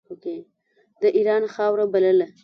د اېران خاوره بلله.